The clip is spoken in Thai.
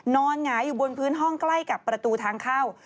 หงายอยู่บนพื้นห้องใกล้กับประตูทางเข้า